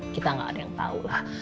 kita gak ada yang tau lah